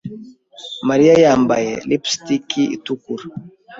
Mariya yambaye lipstiki itukura.